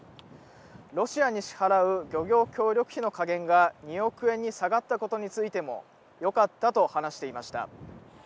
ロシアに支払う漁業協力費の下限が２億円に下がったことについても、よかったと話していました。